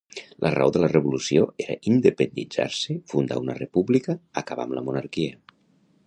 La raó de la revolució era independitzar-se fundar una república acabar amb la monarquia